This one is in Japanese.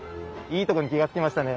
いいとこに気が付きましたね。